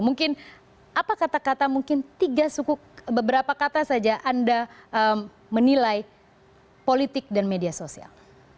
mungkin apa kata kata mungkin tiga suku beberapa kata saja anda menilai politik dan media sosial